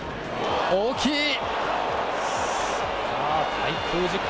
滞空時間。